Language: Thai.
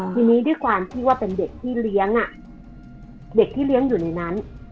ทีนี้ด้วยความที่ว่าเป็นเด็กที่เลี้ยงเด็กที่เลี้ยงอยู่ในนั้น